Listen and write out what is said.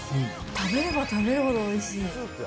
食べれば食べるほどおいしい。